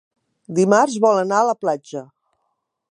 Dimarts vol anar a la platja.